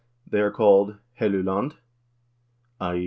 They are called 'Helluland' (i.